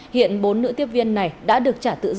hiện bốn nữ tiếp viên này đã được